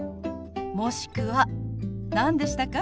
もしくは何でしたか？